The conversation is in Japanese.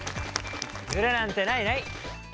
ズレなんてないない！